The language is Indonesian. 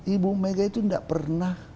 ibu mega itu tidak pernah